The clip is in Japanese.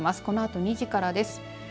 このあと２時からです。